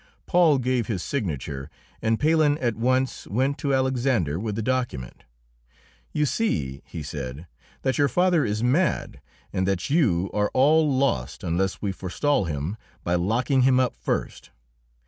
Paul gave his signature, and Palhen at once went to Alexander with the document. "You see," he said, "that your father is mad, and that you are all lost unless we forestall him by locking him up first."